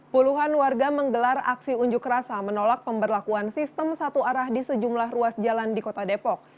puluhan warga menggelar aksi unjuk rasa menolak pemberlakuan sistem satu arah di sejumlah ruas jalan di kota depok